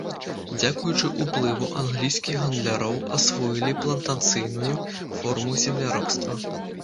Дзякуючы ўплыву англійскіх гандляроў асвоілі плантацыйную форму земляробства.